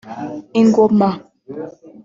‘‘Ingoma’’